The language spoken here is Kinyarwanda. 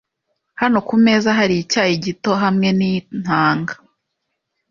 Hano kumeza hari icyayi gito hamwe nintanga .